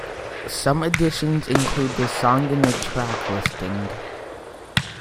Some editions include the song in the track listing.